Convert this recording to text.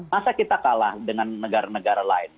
masa kita kalah dengan negara negara lain